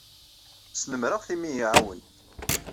Snemmreɣ-t imi i iyi-iɛawen.